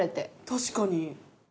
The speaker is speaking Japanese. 確かに。